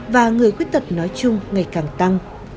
và người quyết tật nói chung ngày càng tăng